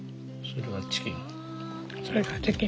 それがチキン。